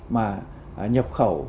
mà nhập khẩu